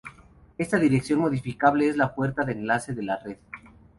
Esta dirección modificable es la puerta de enlace de la red.